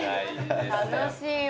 楽しいわ。